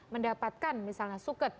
mendapatkan misalnya suket